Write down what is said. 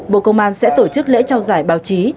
bộ công an sẽ tổ chức lễ trao giải báo chí